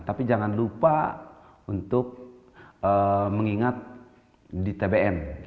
tapi jangan lupa untuk mengingat di tbm